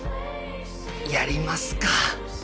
やりますか！